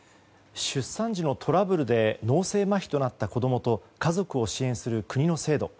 出産時のトラブルで脳性まひとなった子供と家族を支援する国の制度。